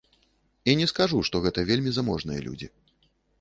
І не скажу, што гэта вельмі заможныя людзі.